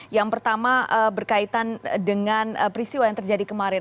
yang pertama berkaitan dengan peristiwa yang terjadi kemarin